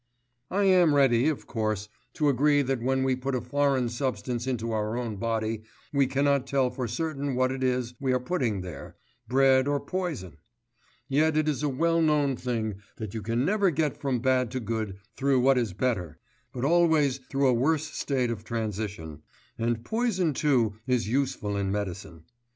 I am ready, of course, to agree that when we put a foreign substance into our own body we cannot tell for certain what it is we are putting there, bread or poison; yet it is a well known thing that you can never get from bad to good through what is better, but always through a worse state of transition, and poison too is useful in medicine.